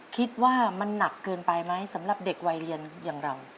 คิดว่ามันหนักเกินไปไหมสำหรับเด็กวัยเรียนอย่างเรา